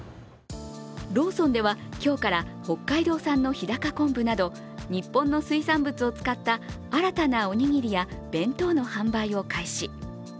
ローソンでは今日から北海道産の日高昆布など日本の水産物を使った新たなおにぎりや弁当の販売を開始。